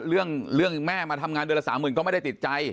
เรื่องแม่มาทำงานเดือนละสามหมื่นก็ไม่ได้ติดใจ